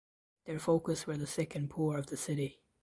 Their focus were the sick and poor of the city.